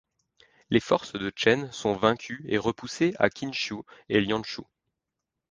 Les forces de Chen sont vaincues et repoussées à Qinzhou et Lianzhou.